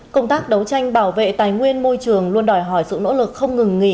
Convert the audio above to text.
công tác đấu tranh bảo vệ tài nguyên môi trường luôn đòi hỏi sự nỗ lực không ngừng nghỉ